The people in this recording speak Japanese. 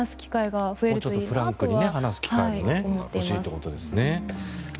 もうちょっとフランクに話す機会が欲しいということですよね。